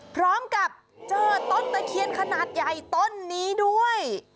พร้อมกับเจอต้นตะเคียนขนาดใหญ่ต้นนี้ด้วย